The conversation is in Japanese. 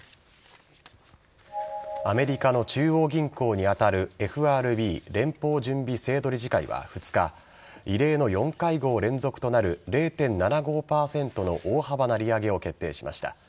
アメリカの中央銀行に当たるＦＲＢ＝連邦準備制度理事会は２日異例の４会合連続となる０．７５％の大幅な利上げを決定しました。